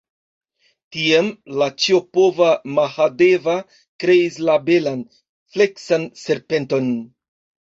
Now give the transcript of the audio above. Tiam la ĉiopova Mahadeva kreis la belan, fleksan serpenton.